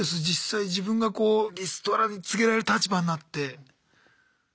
実際自分がこうリストラ告げられる立場になって。